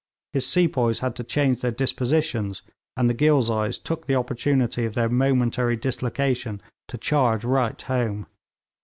His sepoys had to change their dispositions, and the Ghilzais took the opportunity of their momentary dislocation to charge right home.